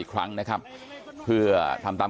พ่ออยู่หรือเปล่า